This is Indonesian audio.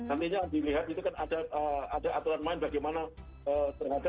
artinya yang dilihat itu kan ada aturan lain bagaimana terhadap hukuman di luar